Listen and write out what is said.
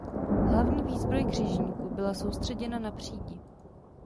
Hlavní výzbroj křižníku byla soustředěna na přídi.